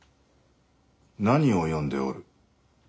何を読んでおる？